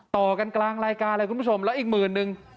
ต่อกาลกลางลายกาล่ะคุณผู้ชมและอีกหมื่นหนึ่ง